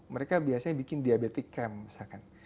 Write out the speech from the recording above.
mereka biasanya bikin diabete camp misalkan